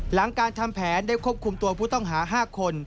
หลังการทำแผนได้ควบคุมตัวผู้ต้องหา๕คน